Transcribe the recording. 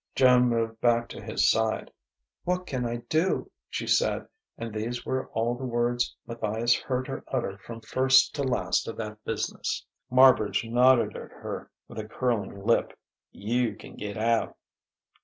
Joan moved back to his side. "What can I do?" she said; and these were all the words Matthias heard her utter from first to last of that business. Marbridge nodded at her with a curling lip: "You can get out!"